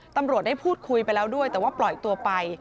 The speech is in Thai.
ตำรวจได้พูดคุยไปแล้วด้วยแต่ว่าปล่อยตัวไป